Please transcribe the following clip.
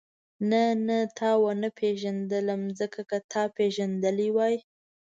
نه نه تا ونه پېژندلم ځکه که تا پېژندلې وای.